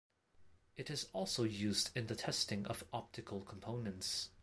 It is also used in the testing of optical components.